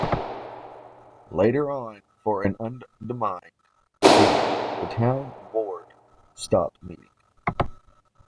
Later on, for an undetermined reason, the town board stopped meeting.